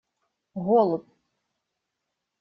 Голубь!